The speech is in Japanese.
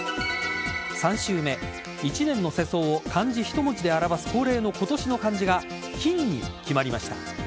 ３週目一年の世相を漢字一文字で表す恒例の今年の漢字が金に決まりました。